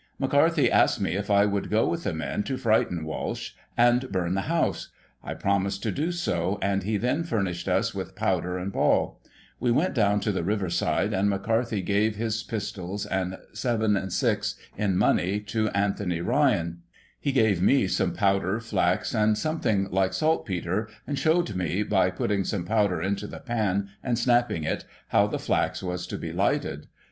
McCarthy asked me if I would go with the men to frighten Walsh, and burn the house. I promised to do so, and he then furnished us with powder and ball ; we went down to the river side, and McCarthy gave his pistols and 7/6 in money to Anthony Digiti ized by Google i66 GOSSIP. [1841 Ryan. He gave me some powder, flax, and something like saltpetre, and showed me, by putting some powder into the pan, and snapping it, how the flax was to be lighted.